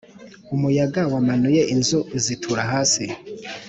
Umuyaga wamanuye inzu uzitura hasi